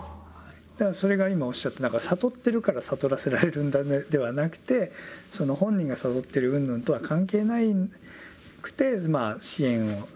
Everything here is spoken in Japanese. だからそれが今おっしゃった悟ってるから悟らせられるんだではなくてその本人が悟ってるうんぬんとは関係なくてまあ支援を。